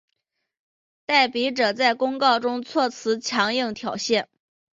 代笔者在公告中措辞强硬挑衅。